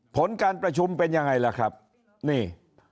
ผลการประชุมเป็นยังไงล่ะครับนี่